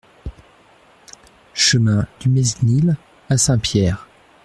Chemin Dumesgnil à Saint-Pierre